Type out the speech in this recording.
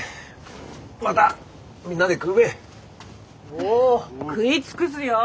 おう食い尽くすよ！